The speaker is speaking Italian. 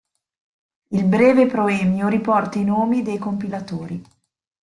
Il breve proemio riporta i nomi dei compilatori.